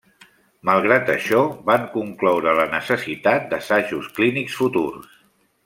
Malgrat això, van concloure la necessitat d'assajos clínics futurs.